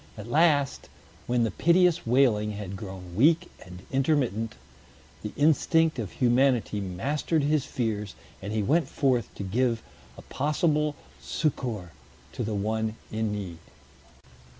At last, when the piteous wailing had grown weak and intermittent, the instinct of humanity mastered his fears, and he went forth to give a possible succor to the one in need.